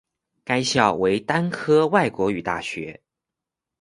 该校为单科外国语大学。